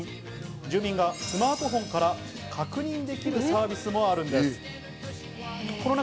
住民がスマートフォンから確認できるサービスもあるんです。